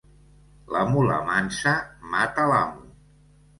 La mula mansa mata l'amo.